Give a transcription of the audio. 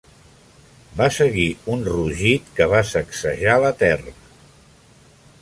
Va seguir un rugit que va sacsejar la terra.